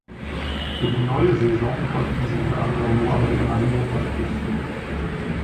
Für die neue Saison konnten sie unter anderem Mohammad Amir verpflichten.